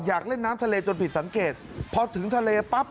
อยากเล่นน้ำทะเลจนผิดสังเกตพอถึงทะเลปั๊บ